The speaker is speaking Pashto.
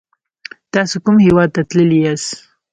تاسو کوم هیواد ته تللی یاست؟